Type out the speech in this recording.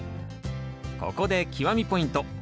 ここで極みポイント。